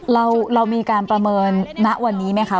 เรามีการประเมินณวันนี้ไหมคะ